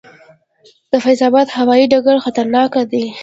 د فیض اباد هوايي ډګر خطرناک دی؟